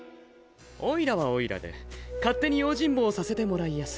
オイラはオイラで勝手に用心棒をさせてもらいやす。